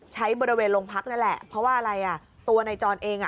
ใช้บริเวณโรงพักนั่นแหละเพราะว่าอะไรอ่ะตัวนายจรเองอ่ะ